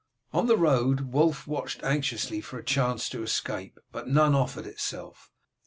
On the road Wulf watched anxiously for a chance to escape, but none offered itself.